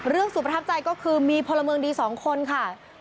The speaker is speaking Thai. เรื่องสุขประทับใจก็คือมีพลเมิงดี๒คนค่ะ